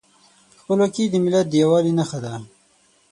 خپلواکي د ملت د یووالي نښه ده.